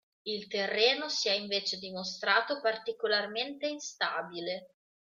Il terreno si è invece dimostrato particolarmente instabile.